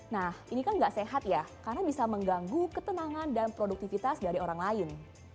nah ini kan nggak sehat ya karena bisa mengganggu ketenangan dan produktivitas dari orang lain